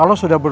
masalah k gift